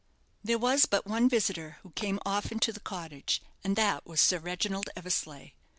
There was but one visitor who came often to the cottage, and that was Sir Reginald Eversleigh.